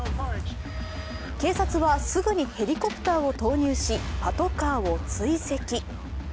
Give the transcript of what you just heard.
警察はすぐにヘリコプターを投入し、パトカーを追跡。